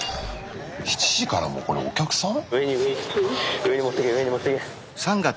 ７時からもうこれお客さん？